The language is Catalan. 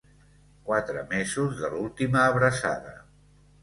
Quatre mesos de l’última abraçada.